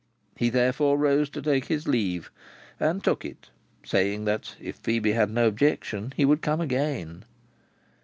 He therefore rose to take his leave, and took it; saying that if Phœbe had no objection, he would come again.